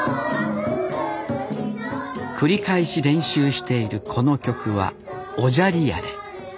繰り返し練習しているこの曲は「おじゃりやれ」。